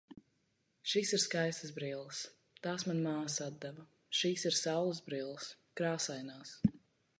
Šīs ir skaistas brilles. Tās man māsa atdeva. Šīs ir saulesbrilles, krāsainās.